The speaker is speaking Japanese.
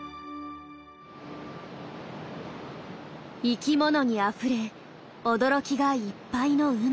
生きものにあふれ驚きがいっぱいの海。